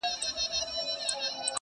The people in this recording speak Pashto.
ګوندي خدای مو سي پر مېنه مهربانه؛